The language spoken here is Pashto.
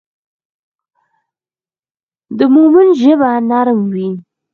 د مؤمن ژبه نرم وي.